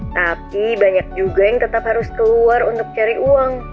tapi banyak juga yang tetap harus keluar untuk cari uang